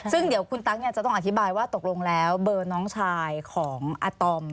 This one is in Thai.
ซึ่งเดี๋ยวคุณตั๊กจะต้องอธิบายว่าตกลงแล้วเบอร์น้องชายของอาตอม